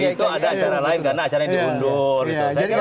itu ada acara lain karena acaranya diundur